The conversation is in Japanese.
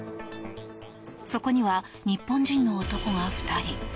そこには日本人の男が２人。